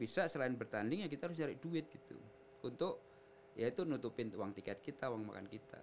bisa selain bertandingnya kita harus cari duit gitu untuk yaitu nutupin uang tiket kita uang makan kita